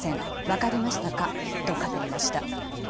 分かりましたか、と語りました。